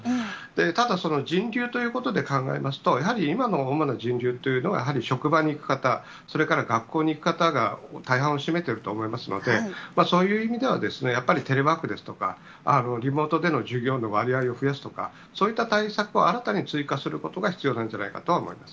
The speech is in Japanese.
ただ、人流ということで考えますと、やはり今の主な人流というのは、やはり職場に行く方、それから学校に行く方が大半を占めていると思いますので、そういう意味では、やっぱりテレワークですとか、リモートでの従業員の割合を増やすとか、そういった対策を新たに追加することが必要なんじゃないかとは思います。